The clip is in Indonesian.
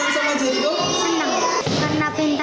senang karena pinter memotret